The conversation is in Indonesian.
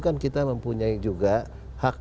kan kita mempunyai juga hak